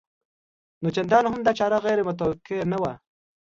نو چندان هم دا چاره غیر متوقع نه وه